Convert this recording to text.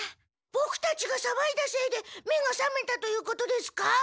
ボクたちがさわいだせいで目がさめたということですか？